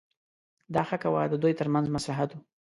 دا ښه کوه د دوی ترمنځ مصلحت و.